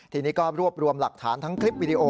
ทีนี้ก็รวบรวมหลักฐานทั้งคลิปวิดีโอ